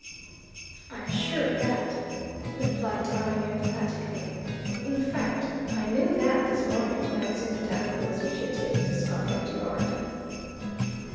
"I'm sure of that," replied Tarling emphatically. "In fact, I knew that this morning when I'd seen the daffodils which you had taken to Scotland Yard."